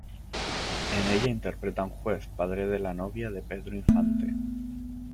En ella interpreta a un juez, padre de la novia de Pedro Infante.